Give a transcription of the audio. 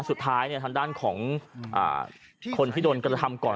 สุดท้ายทางด้านของคนที่โดนกระทำก่อน